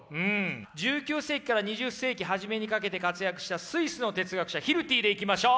１９世紀から２０世紀初めにかけて活躍したスイスの哲学者ヒルティでいきましょう。